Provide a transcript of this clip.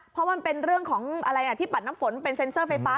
เพราะมันเป็นเรื่องของอะไรที่ปัดน้ำฝนเป็นเซ็นเซอร์ไฟฟ้า